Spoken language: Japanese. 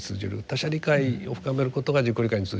他者理解を深めることが自己理解に通じる。